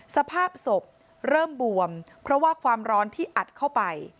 สภาพศพเริ่มบวมเพราะว่าความร้อนที่อัดเข้าไป